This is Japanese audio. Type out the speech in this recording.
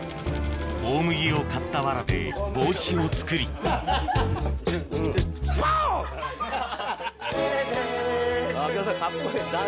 大麦を刈ったわらで帽子を作りポウ！